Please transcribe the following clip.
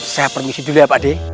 saya permisi dulu ya pak d